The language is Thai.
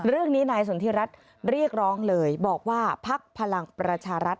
เรื่องนี้นายสนทิรัฐเรียกร้องเลยบอกว่าพักพลังประชารัฐ